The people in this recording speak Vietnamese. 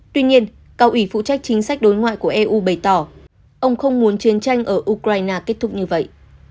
tuy nhiên cao ủy phụ trách chính sách đối ngoại của eu bày tỏ ông không muốn chiến tranh ở ukraine kết thúc như vậy